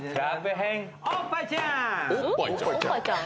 おっぱいちゃーん！